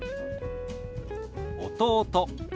「弟」。